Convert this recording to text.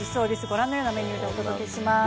御覧のようなメニューでお届けします。